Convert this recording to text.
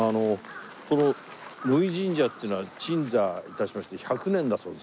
この乃木神社っていうのは鎮座いたしまして１００年だそうです今年が。